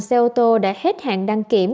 xe ô tô đã hết hạn đăng kiểm